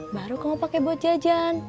baru kamu pakai buat jajan